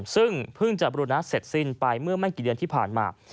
ซึ่งเพิ่งจะบริณะเสร็จสิ้นไปเมื่อไม่กี่เดือนที่ผ่านมา